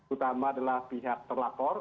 utama adalah pihak terlapor